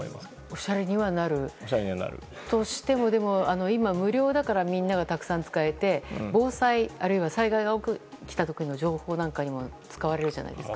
おしゃれになるとしても今、無料だからみんなが使えて防災、あるいは災害が起きた時の情報なんかにも使われるじゃないですか。